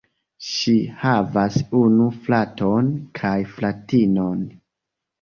Ŝi havas unu fraton kaj fratinon.